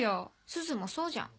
すずもそうじゃん。